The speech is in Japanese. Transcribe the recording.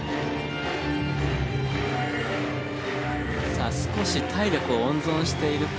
さあ少し体力を温存しているか？